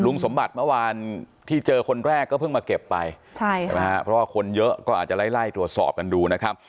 สมบัติเมื่อวานที่เจอคนแรกก็เพิ่งมาเก็บไปเพราะว่าคนเยอะก็อาจจะไล่ไล่ตรวจสอบกันดูนะครับ